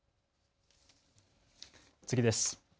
次です。